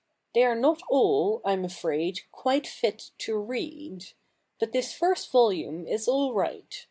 They are not all, I'm afraid, quite fit to read. But this first volume is all right.